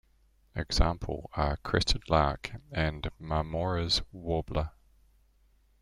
Examples are crested lark and Marmora's warbler.